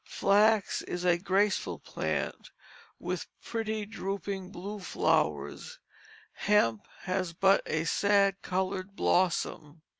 Flax is a graceful plant with pretty drooping blue flowers; hemp has but a sad colored blossom.